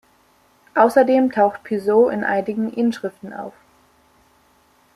Außerdem taucht Piso in einigen Inschriften auf.